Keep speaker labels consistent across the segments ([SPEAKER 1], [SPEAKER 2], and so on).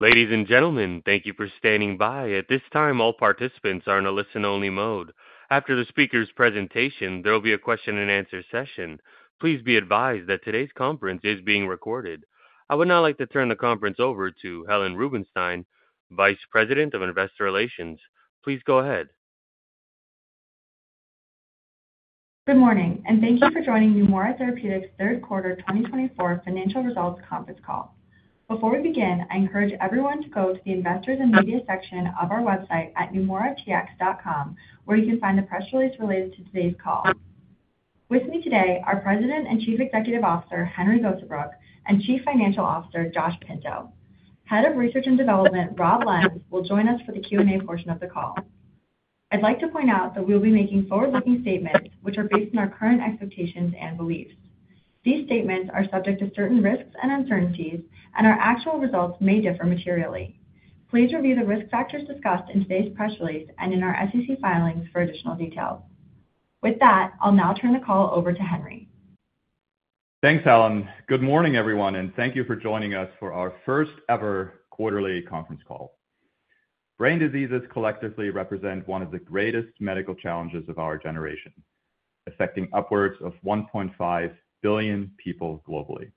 [SPEAKER 1] Ladies and gentlemen, thank you for standing by. At this time, all participants are in a listen-only mode. After the speaker's presentation, there will be a question-and-answer session. Please be advised that today's conference is being recorded. I would now like to turn the conference over to Helen Rubinstein, Vice President of Investor Relations. Please go ahead.
[SPEAKER 2] Good morning, and thank you for joining Neumora Therapeutics' third quarter 2024 financial results conference call. Before we begin, I encourage everyone to go to the Investors and Media section of our website at neumoratx.com, where you can find the press release related to today's call. With me today are President and Chief Executive Officer Henry Gosebruch and Chief Financial Officer Josh Pinto. Head of Research and Development, Rob Lenz, will join us for the Q&A portion of the call. I'd like to point out that we will be making forward-looking statements, which are based on our current expectations and beliefs. These statements are subject to certain risks and uncertainties, and our actual results may differ materially. Please review the risk factors discussed in today's press release and in our SEC filings for additional details. With that, I'll now turn the call over to Henry.
[SPEAKER 3] Thanks, Helen. Good morning, everyone, and thank you for joining us for our first-ever quarterly conference call. Brain diseases collectively represent one of the greatest medical challenges of our generation, affecting upwards of 1.5 billion people globally.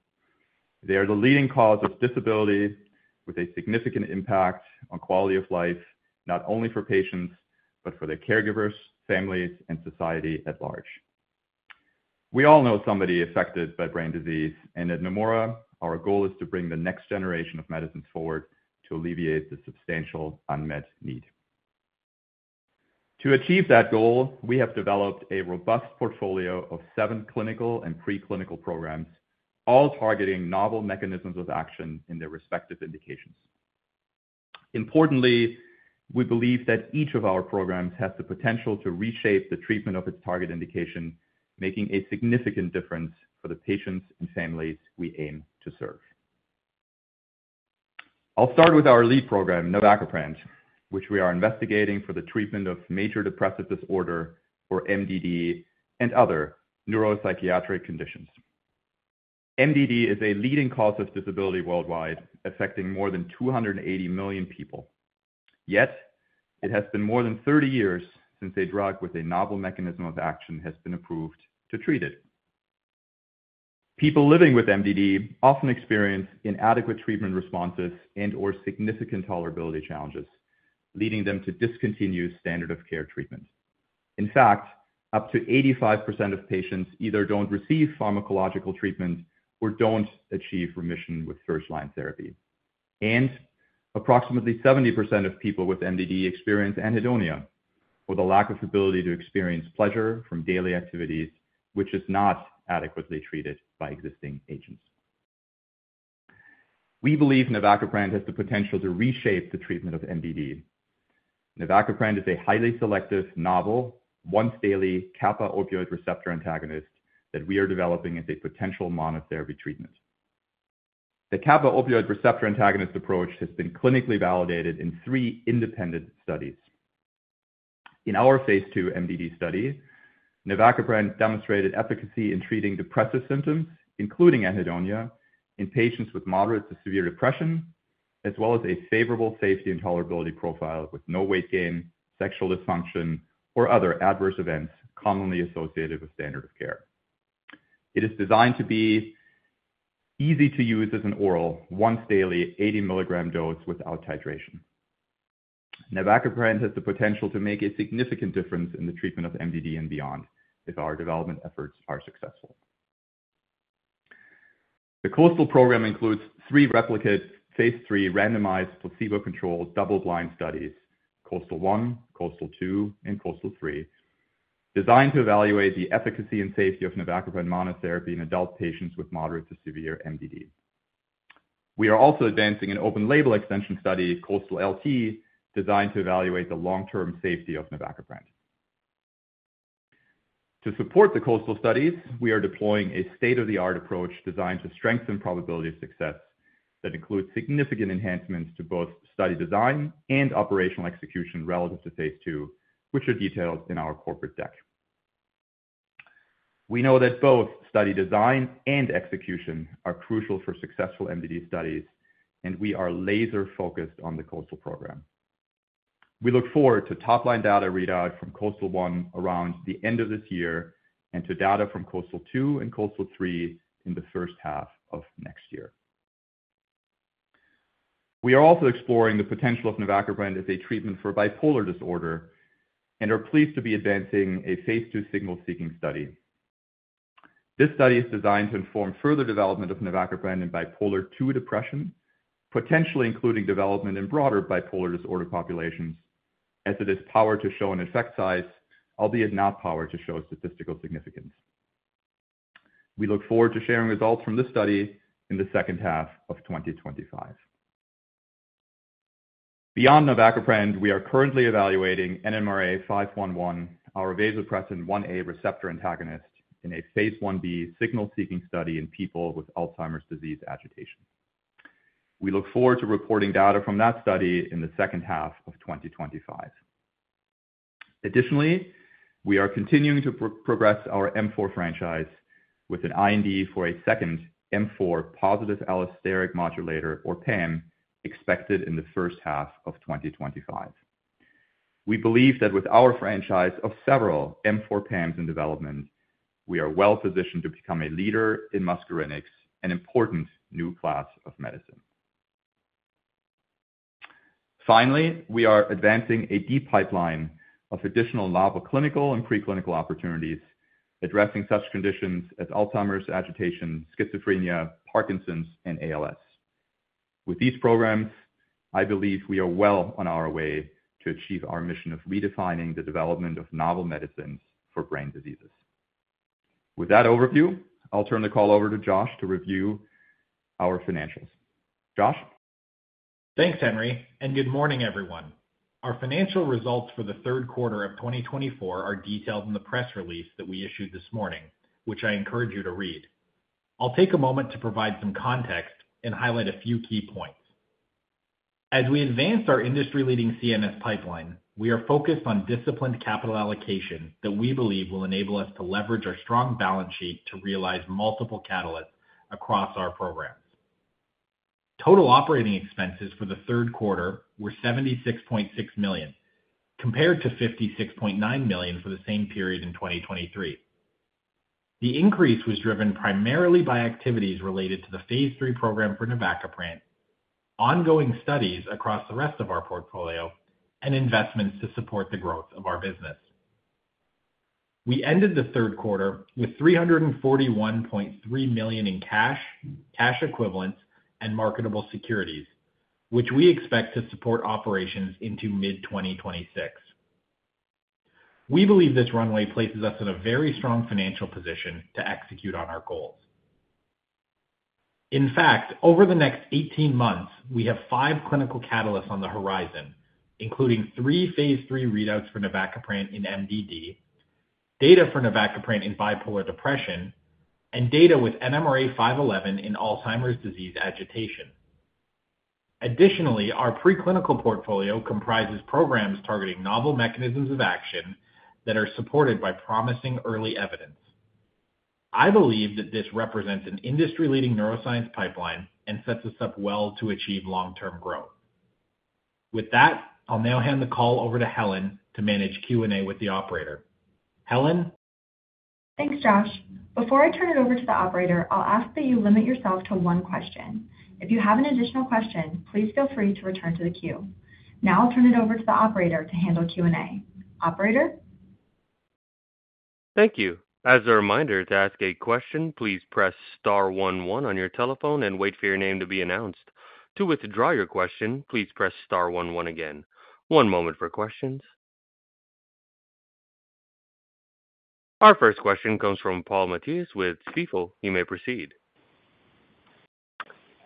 [SPEAKER 3] They are the leading cause of disability, with a significant impact on quality of life not only for patients, but for their caregivers, families, and society at large. We all know somebody affected by brain disease, and at Neumora, our goal is to bring the next generation of medicines forward to alleviate the substantial unmet need. To achieve that goal, we have developed a robust portfolio of seven clinical and preclinical programs, all targeting novel mechanisms of action in their respective indications. Importantly, we believe that each of our programs has the potential to reshape the treatment of its target indication, making a significant difference for the patients and families we aim to serve. I'll start with our lead program, navacaprant, which we are investigating for the treatment of major depressive disorder, or MDD, and other neuropsychiatric conditions. MDD is a leading cause of disability worldwide, affecting more than 280 million people. Yet, it has been more than 30 years since a drug with a novel mechanism of action has been approved to treat it. People living with MDD often experience inadequate treatment responses and/or significant tolerability challenges, leading them to discontinue standard-of-care treatment. In fact, up to 85% of patients either don't receive pharmacological treatment or don't achieve remission with first-line therapy. Approximately 70% of people with MDD experience anhedonia, or the lack of ability to experience pleasure from daily activities, which is not adequately treated by existing agents. We believe navacaprant has the potential to reshape the treatment of MDD. Navacaprant is a highly selective, novel, once-daily kappa opioid receptor antagonist that we are developing as a potential monotherapy treatment. The kappa opioid receptor antagonist approach has been clinically validated in three independent studies. In our phase II MDD study, navacaprant demonstrated efficacy in treating depressive symptoms, including anhedonia, in patients with moderate to severe depression, as well as a favorable safety and tolerability profile with no weight gain, sexual dysfunction, or other adverse events commonly associated with standard of care. It is designed to be easy to use as an oral, once-daily, 80-milligram dose without titration. navacaprant has the potential to make a significant difference in the treatment of MDD and beyond if our development efforts are successful. The KOASTAL program includes three replicate phase III randomized placebo-controlled double-blind studies, KOASTAL-1, KOASTAL-2, and KOASTAL-3, designed to evaluate the efficacy and safety of navacaprant monotherapy in adult patients with moderate to severe MDD. We are also advancing an open-label extension study, KOASTAL-LT, designed to evaluate the long-term safety of navacaprant. To support the KOASTAL studies, we are deploying a state-of-the-art approach designed to strengthen probability of success that includes significant enhancements to both study design and operational execution relative to phase II, which are detailed in our corporate deck. We know that both study design and execution are crucial for successful MDD studies, and we are laser-focused on the KOASTAL program. We look forward to top-line data readout from KOASTAL-1 around the end of this year and to data from KOASTAL-2 and KOASTAL-3 in the first half of next year. We are also exploring the potential of navacaprant as a treatment for bipolar disorder and are pleased to be advancing a phase II signal-seeking study. This study is designed to inform further development of navacaprant in bipolar II depression, potentially including development in broader bipolar disorder populations, as it is powered to show an effect size, albeit not powered to show statistical significance. We look forward to sharing results from this study in the second half of 2025. Beyond navacaprant, we are currently evaluating NMRA-511, our vasopressin 1a receptor antagonist, in a phase I-B signal-seeking study in people with Alzheimer's disease agitation. We look forward to reporting data from that study in the second half of 2025. Additionally, we are continuing to progress our M4 franchise with an IND for a second M4 positive allosteric modulator, or PAM, expected in the first half of 2025. We believe that with our franchise of several M4 PAMs in development, we are well-positioned to become a leader in muscarinics, an important new class of medicine. Finally, we are advancing a deep pipeline of additional novel clinical and preclinical opportunities addressing such conditions as Alzheimer's agitation, schizophrenia, Parkinson's, and ALS. With these programs, I believe we are well on our way to achieve our mission of redefining the development of novel medicines for brain diseases. With that overview, I'll turn the call over to Josh to review our financials. Josh?
[SPEAKER 4] Thanks, Henry, and good morning, everyone. Our financial results for the third quarter of 2024 are detailed in the press release that we issued this morning, which I encourage you to read. I'll take a moment to provide some context and highlight a few key points. As we advance our industry-leading CNS pipeline, we are focused on disciplined capital allocation that we believe will enable us to leverage our strong balance sheet to realize multiple catalysts across our programs. Total operating expenses for the third quarter were $76.6 million, compared to $56.9 million for the same period in 2023. The increase was driven primarily by activities related to the phase III program for navacaprant, ongoing studies across the rest of our portfolio, and investments to support the growth of our business. We ended the third quarter with $341.3 million in cash, cash equivalents, and marketable securities, which we expect to support operations into mid-2026. We believe this runway places us in a very strong financial position to execute on our goals. In fact, over the next 18 months, we have five clinical catalysts on the horizon, including three phase III readouts for navacaprant in MDD, data for navacaprant in bipolar depression, and data with NMRA-511 in Alzheimer's disease agitation. Additionally, our preclinical portfolio comprises programs targeting novel mechanisms of action that are supported by promising early evidence. I believe that this represents an industry-leading neuroscience pipeline and sets us up well to achieve long-term growth. With that, I'll now hand the call over to Helen to manage Q&A with the operator. Helen.
[SPEAKER 2] Thanks, Josh. Before I turn it over to the operator, I'll ask that you limit yourself to one question. If you have an additional question, please feel free to return to the queue. Now I'll turn it over to the operator to handle Q&A. Operator?
[SPEAKER 1] Thank you. As a reminder, to ask a question, please press star one one on your telephone and wait for your name to be announced. To withdraw your question, please press star one one again. One moment for questions. Our first question comes from Paul Matteis with Stifel. You may proceed.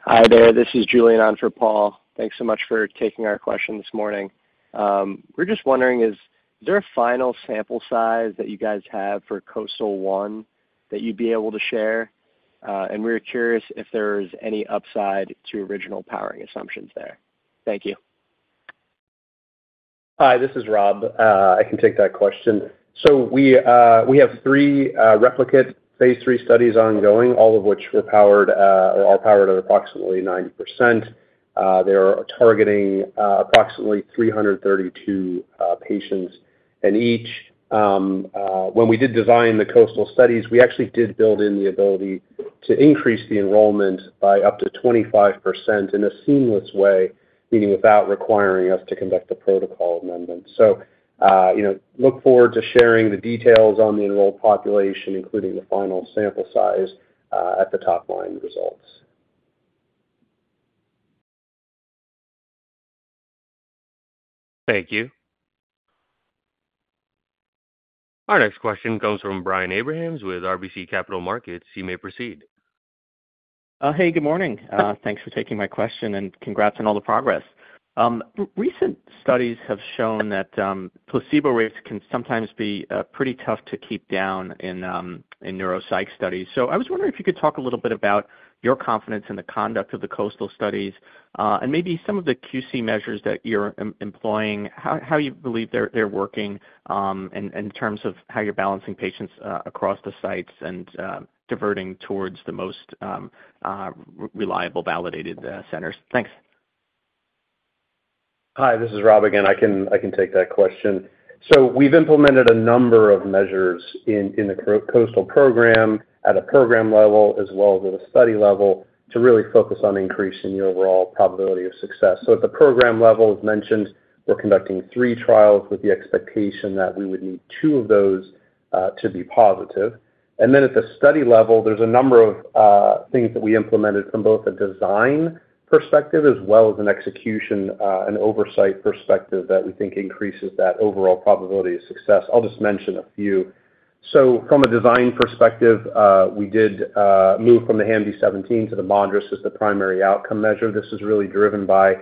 [SPEAKER 5] Hi there. This is Julian on for Paul. Thanks so much for taking our question this morning. We're just wondering, is there a final sample size that you guys have for KOASTAL-1 that you'd be able to share? And we're curious if there is any upside to original powering assumptions there? Thank you.
[SPEAKER 6] Hi, this is Rob. I can take that question. So we have three replicate phase III studies ongoing, all of which were powered or are powered at approximately 90%. They are targeting approximately 332 patients in each. When we did design the KOASTAL studies, we actually did build in the ability to increase the enrollment by up to 25% in a seamless way, meaning without requiring us to conduct a protocol amendment. So look forward to sharing the details on the enrolled population, including the final sample size at the top-line results.
[SPEAKER 1] Thank you. Our next question comes from Brian Abrahams with RBC Capital Markets. You may proceed.
[SPEAKER 7] Hey, good morning. Thanks for taking my question and congrats on all the progress. Recent studies have shown that placebo rates can sometimes be pretty tough to keep down in neuropsych studies. So I was wondering if you could talk a little bit about your confidence in the conduct of the KOASTAL studies and maybe some of the QC measures that you're employing, how you believe they're working in terms of how you're balancing patients across the sites and diverting towards the most reliable, validated centers? Thanks.
[SPEAKER 6] Hi, this is Rob again. I can take that question. So we've implemented a number of measures in the KOASTAL program at a program level as well as at a study level to really focus on increasing the overall probability of success. So at the program level, as mentioned, we're conducting three trials with the expectation that we would need two of those to be positive. And then at the study level, there's a number of things that we implemented from both a design perspective as well as an execution and oversight perspective that we think increases that overall probability of success. I'll just mention a few. So from a design perspective, we did move from the HAMD-17 to the MADRS as the primary outcome measure. This is really driven by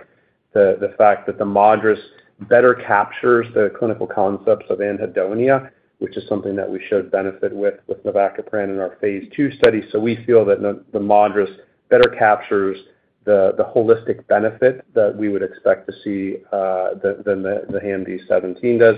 [SPEAKER 6] the fact that the MADRS better captures the clinical concepts of anhedonia, which is something that we showed benefit with navacaprant in our phase II study, so we feel that the MADRS better captures the holistic benefit that we would expect to see than the HAMD-17 does.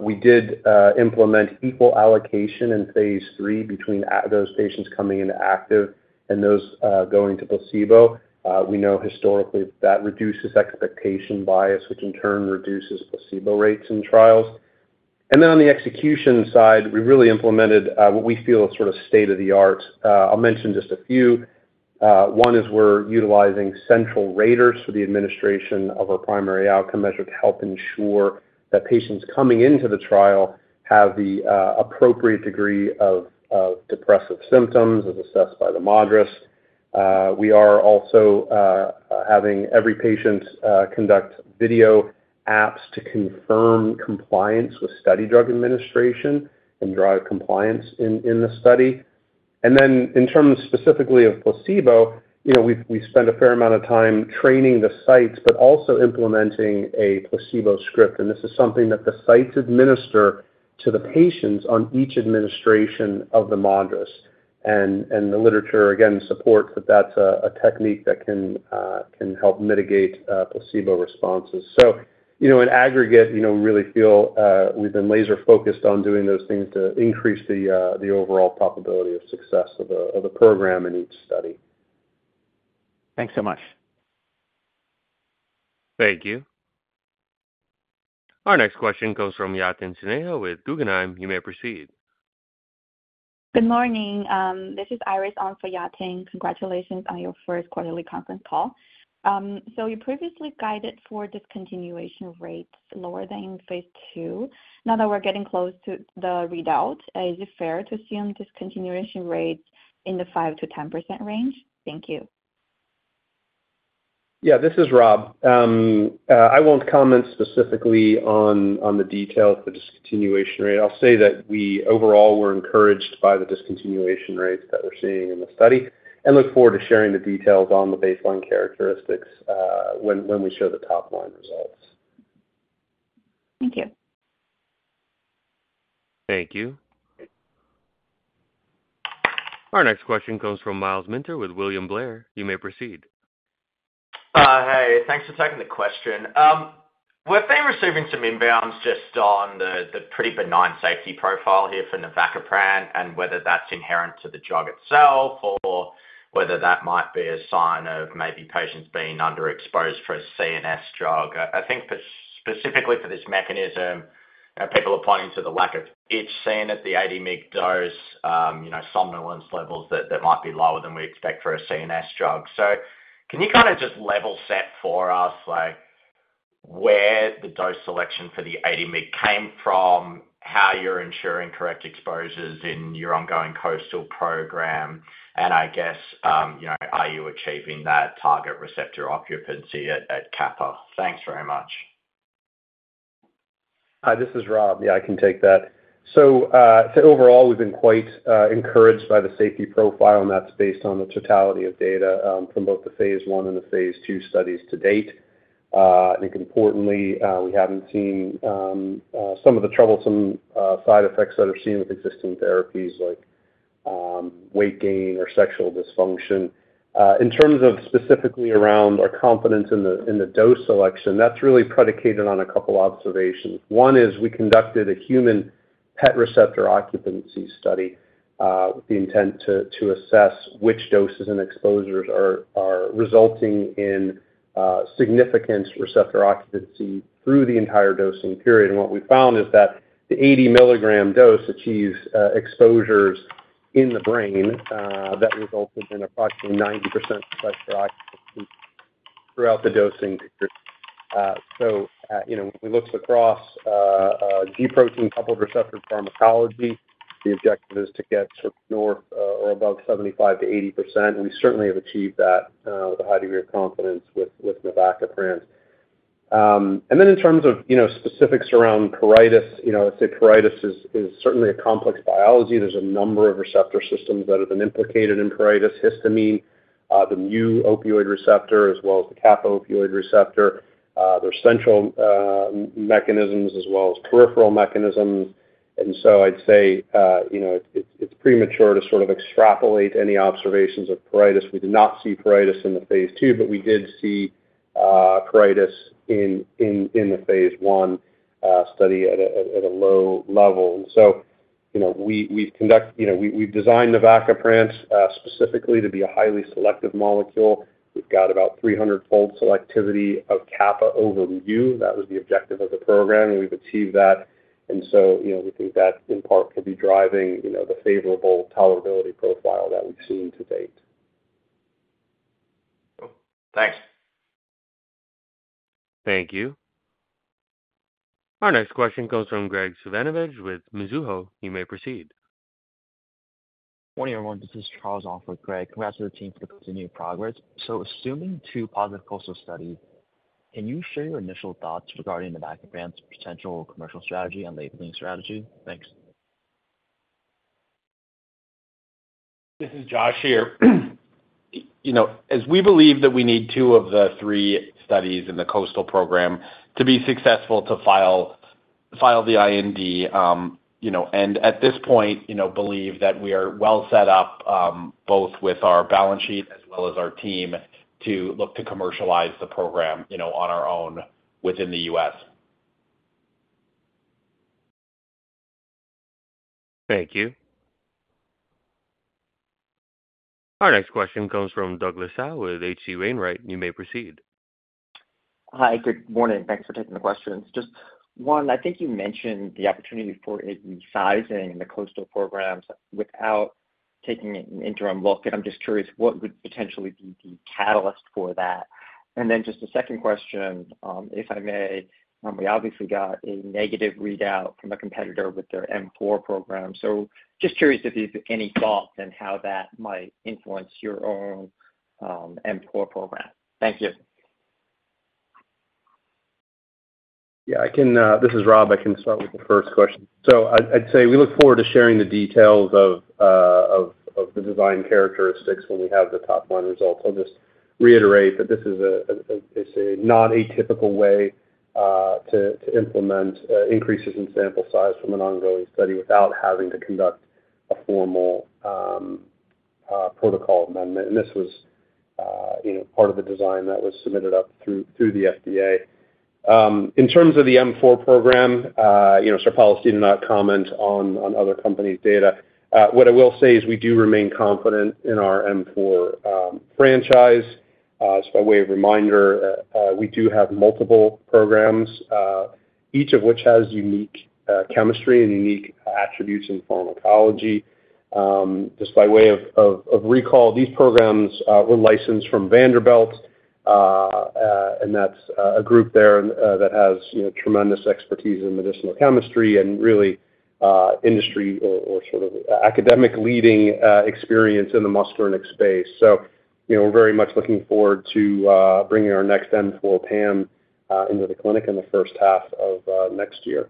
[SPEAKER 6] We did implement equal allocation in phase III between those patients coming into active and those going to placebo. We know historically that reduces expectation bias, which in turn reduces placebo rates in trials, and then on the execution side, we really implemented what we feel is sort of state-of-the-art. I'll mention just a few. One is we're utilizing central raters for the administration of our primary outcome measure to help ensure that patients coming into the trial have the appropriate degree of depressive symptoms as assessed by the MADRS. We are also having every patient conduct video apps to confirm compliance with study drug administration and drive compliance in the study, and then in terms specifically of placebo, we spent a fair amount of time training the sites, but also implementing a placebo script, and this is something that the sites administer to the patients on each administration of the MADRS, and the literature, again, supports that that's a technique that can help mitigate placebo responses, so in aggregate, we really feel we've been laser-focused on doing those things to increase the overall probability of success of the program in each study.
[SPEAKER 1] Thanks so much. Thank you. Our next question comes from Yatin Suneja with Guggenheim. You may proceed.
[SPEAKER 8] Good morning. This is Iris on for Yatin. Congratulations on your first quarterly conference call. So you previously guided for discontinuation rates lower than in phase II. Now that we're getting close to the readout, is it fair to assume discontinuation rates in the 5%-10% range? Thank you.
[SPEAKER 6] Yeah, this is Rob. I won't comment specifically on the details of the discontinuation rate. I'll say that we overall were encouraged by the discontinuation rates that we're seeing in the study and look forward to sharing the details on the baseline characteristics when we show the top-line results.
[SPEAKER 8] Thank you.
[SPEAKER 1] Thank you. Our next question comes from Myles Minter with William Blair. You may proceed.
[SPEAKER 9] Hi, thanks for taking the question. We've been receiving some inbounds just on the pretty benign safety profile here for navacaprant and whether that's inherent to the drug itself or whether that might be a sign of maybe patients being underexposed for a CNS drug. I think specifically for this mechanism, people are pointing to the lack of itching at the 80-mg dose, somnolence levels that might be lower than we expect for a CNS drug. Can you kind of just level set for us where the dose selection for the 80 mg came from, how you're ensuring correct exposures in your ongoing KOASTAL program, and I guess, are you achieving that target receptor occupancy at kappa? Thanks very much.
[SPEAKER 6] Hi, this is Rob. Yeah, I can take that. So overall, we've been quite encouraged by the safety profile, and that's based on the totality of data from both the phase I and the phase II studies to date. I think importantly, we haven't seen some of the troublesome side effects that are seen with existing therapies like weight gain or sexual dysfunction. In terms of specifically around our confidence in the dose selection, that's really predicated on a couple of observations. One is we conducted a human PET receptor occupancy study with the intent to assess which doses and exposures are resulting in significant receptor occupancy through the entire dosing period. And what we found is that the 80-milligram dose achieves exposures in the brain that resulted in approximately 90% receptor occupancy throughout the dosing period. So when we look across G-protein coupled receptor pharmacology, the objective is to get north or above 75%-80%. We certainly have achieved that with a high degree of confidence with navacaprant. And then in terms of specifics around pruritus, I'd say pruritus is certainly a complex biology. There's a number of receptor systems that have been implicated in pruritus: histamine, the mu opioid receptor, as well as the kappa opioid receptor. There are central mechanisms as well as peripheral mechanisms. And so I'd say it's premature to sort of extrapolate any observations of pruritus. We did not see pruritus in the phase II, but we did see pruritus in the phase I study at a low level. And so we've designed navacaprant specifically to be a highly selective molecule. We've got about 300-fold selectivity of kappa over mu. That was the objective of the program, and we've achieved that. And so we think that in part could be driving the favorable tolerability profile that we've seen to date.
[SPEAKER 9] Thanks.
[SPEAKER 1] Thank you. Our next question comes from Graig Suvannavejh with Mizuho. You may proceed.
[SPEAKER 10] Good morning, everyone. This is Charles on for Graig. Congrats to the team for the continued progress. So assuming two positive KOASTAL studies, can you share your initial thoughts regarding navacaprant's potential commercial strategy and labeling strategy? Thanks.
[SPEAKER 4] This is Josh here. As we believe that we need two of the three studies in the KOASTAL program to be successful to file the IND, and at this point, believe that we are well set up both with our balance sheet as well as our team to look to commercialize the program on our own within the U.S.
[SPEAKER 1] Thank you. Our next question comes from Douglas Tsao with H.C. Wainwright. You may proceed.
[SPEAKER 11] Hi, good morning. Thanks for taking the questions. Just one, I think you mentioned the opportunity for a resizing in the KOASTAL programs without taking an interim look. And I'm just curious what would potentially be the catalyst for that. And then just a second question, if I may, we obviously got a negative readout from a competitor with their M4 program. So just curious if you have any thoughts on how that might influence your own M4 program. Thank you.
[SPEAKER 6] Yeah, this is Rob. I can start with the first question. So I'd say we look forward to sharing the details of the design characteristics when we have the top-line results. I'll just reiterate that this is a non-atypical way to implement increases in sample size from an ongoing study without having to conduct a formal protocol amendment. And this was part of the design that was submitted up through the FDA. In terms of the M4 program, so policy is, do not comment on other companies' data. What I will say is we do remain confident in our M4 franchise. Just by way of reminder, we do have multiple programs, each of which has unique chemistry and unique attributes in pharmacology. Just by way of recall, these programs were licensed from Vanderbilt, and that's a group there that has tremendous expertise in medicinal chemistry and really industry or sort of academic leading experience in the muscarinic space. So we're very much looking forward to bringing our next M4 PAM into the clinic in the first half of next year.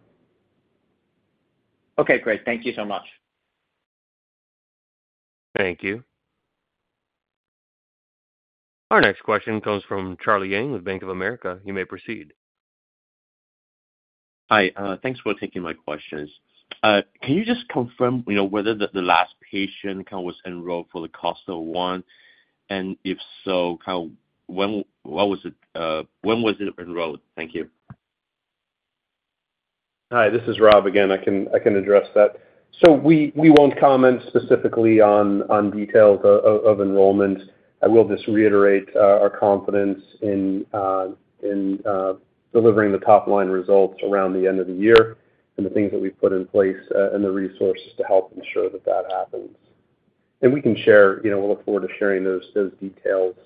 [SPEAKER 11] Okay, great. Thank you so much.
[SPEAKER 1] Thank you. Our next question comes from Charlie Yang with Bank of America. You may proceed.
[SPEAKER 12] Hi, thanks for taking my questions. Can you just confirm whether the last patient was enrolled for the KOASTAL-1? And if so, kind of when was it enrolled? Thank you.
[SPEAKER 6] Hi, this is Rob again. I can address that. So we won't comment specifically on details of enrollment. I will just reiterate our confidence in delivering the top-line results around the end of the year and the things that we've put in place and the resources to help ensure that that happens. And we can share, we'll look forward to sharing those details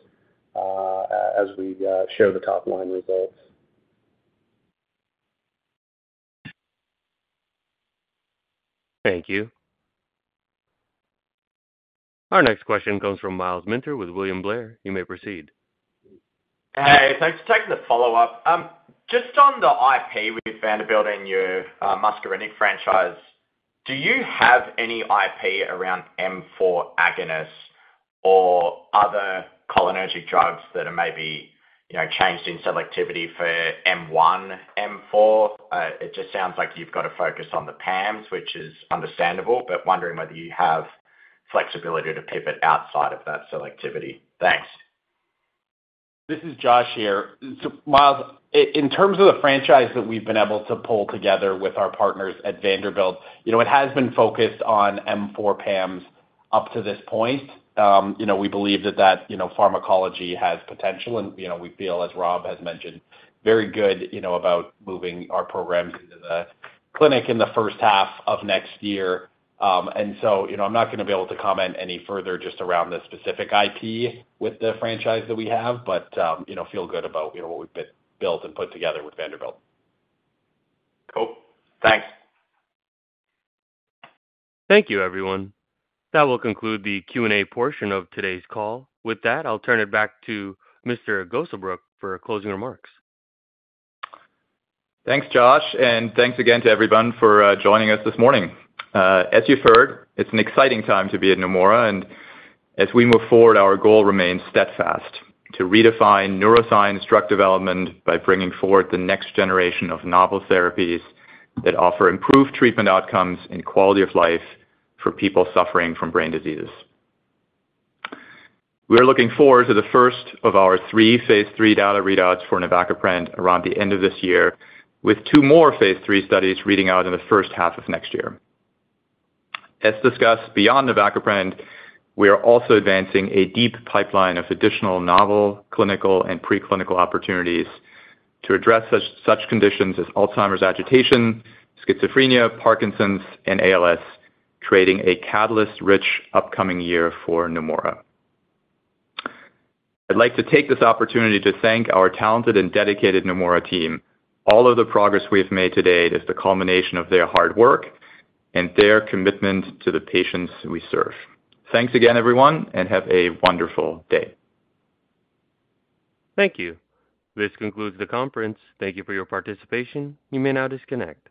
[SPEAKER 6] as we share the top-line results.
[SPEAKER 1] Thank you. Our next question comes from Myles Minter with William Blair. You may proceed.
[SPEAKER 9] Hey, thanks for taking the follow-up. Just on the IP with Vanderbilt and your muscarinic franchise, do you have any IP around M4 agonists or other cholinergic drugs that are maybe changed in selectivity for M1, M4? It just sounds like you've got to focus on the PAMs, which is understandable, but wondering whether you have flexibility to pivot outside of that selectivity. Thanks.
[SPEAKER 4] This is Josh here. Myles, in terms of the franchise that we've been able to pull together with our partners at Vanderbilt, it has been focused on M4 PAMs up to this point. We believe that that pharmacology has potential, and we feel, as Rob has mentioned, very good about moving our programs into the clinic in the first half of next year. And so I'm not going to be able to comment any further just around the specific IP with the franchise that we have, but feel good about what we've built and put together with Vanderbilt.
[SPEAKER 9] Cool. Thanks.
[SPEAKER 1] Thank you, everyone. That will conclude the Q&A portion of today's call. With that, I'll turn it back to Mr. Gosebruch for closing remarks.
[SPEAKER 3] Thanks, Josh. And thanks again to everyone for joining us this morning. As you've heard, it's an exciting time to be at Neumora. And as we move forward, our goal remains steadfast to redefine neuroscience drug development by bringing forward the next generation of novel therapies that offer improved treatment outcomes and quality of life for people suffering from brain diseases. We are looking forward to the first of our three phase III data readouts for navacaprant around the end of this year, with two more phase III studies reading out in the first half of next year. As discussed, beyond navacaprant, we are also advancing a deep pipeline of additional novel clinical and preclinical opportunities to address such conditions as Alzheimer's agitation, schizophrenia, Parkinson's, and ALS, creating a catalyst-rich upcoming year for Neumora. I'd like to take this opportunity to thank our talented and dedicated Neumora team. All of the progress we have made to date is the culmination of their hard work and their commitment to the patients we serve. Thanks again, everyone, and have a wonderful day.
[SPEAKER 1] Thank you. This concludes the conference. Thank you for your participation. You may now disconnect.